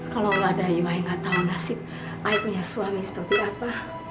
kalau ada ibu saya gak tahu nasib saya punya suami seperti apa